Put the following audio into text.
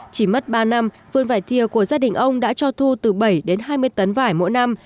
chỉ mất ba năm vườn vải thiều của gia đình ông đã cho thu từ bảy đến hai mươi tấn vải mỗi năm